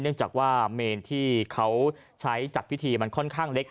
เนื่องจากว่าเมนที่เขาใช้จัดพิธีมันค่อนข้างเล็ก